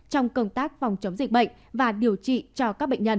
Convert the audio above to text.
trong công tác phòng chống dịch bệnh và điều trị cho các bệnh nhân